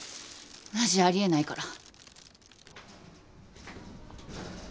マジあり得ないから。